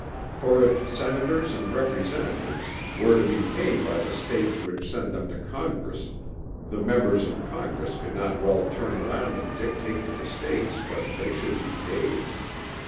For if Senators and Representatives were to be paid by the States which sent them to Congress, the members of Congress could not well turn around and dictate to the States what they should be paid.